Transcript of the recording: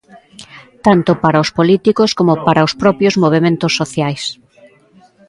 Tanto para os políticos como para os propios movementos sociais.